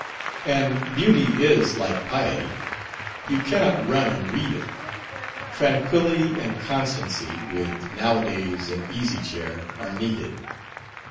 And beauty is like piety—you cannot run and read it; tranquillity and constancy, with, now a days, an easy chair, are needed.